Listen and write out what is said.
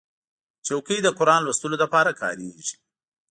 چوکۍ د قرآن لوستلو لپاره کارېږي.